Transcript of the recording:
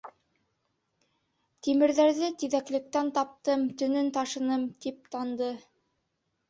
Тимерҙәрҙе тиҙәклектән таптым, төнөн ташыным, — тип танды.